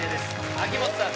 秋元さん